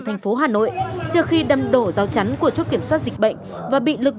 thành phố hà nội trước khi đâm đổ rào chắn của chốt kiểm soát dịch bệnh